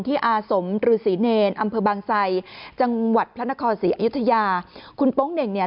อาสมฤษีเนรอำเภอบางไซจังหวัดพระนครศรีอยุธยาคุณโป๊งเหน่งเนี่ย